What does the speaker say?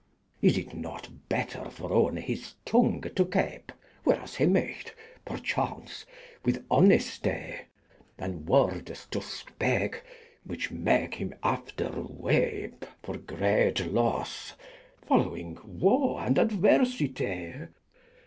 Is it not better for one his tunge to kepe Where as he myght (perchaunce) with honestee, Than wordes to speke whiche make hym after wepe For great losse folowynge wo and adversyte?